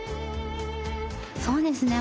そうですね